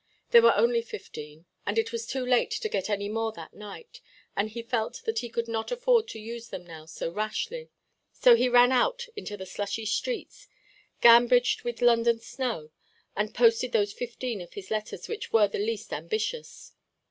There were only fifteen; and it was too late to get any more that night; and he felt that he could not afford to use them now so rashly. So he ran out into the slushy streets, gamboged with London snow, and posted those fifteen of his letters which were the least ambitious.